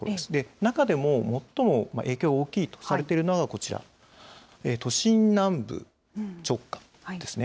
中でも最も影響が大きいとされているのがこちら、都心南部直下ですね。